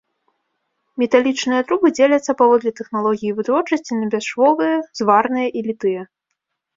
Металічныя трубы дзеляцца паводле тэхналогіі вытворчасці на бясшвовыя, зварныя і літыя.